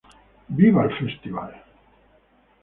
Viva el Festival.